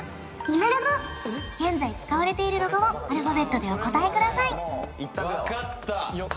今ロゴ現在使われているロゴをアルファベットでお答えください分かった！